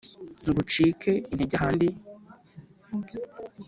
ngucike nge ahandi